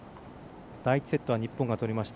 第１セットは日本が取りました。